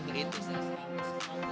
jadi itu sesuatu yang sangat penting